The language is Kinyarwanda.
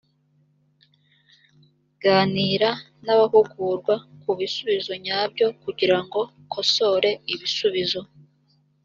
ganira n abahugurwa ku bisubizo nyabyo kugirango kosore ibisubizo